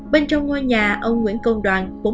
bên trong ngôi nhà ông nguyễn công đoàn